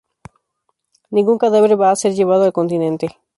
Ningún cadáver va a ser llevado al continente.